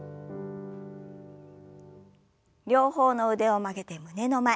両方の腕を曲げて胸の前。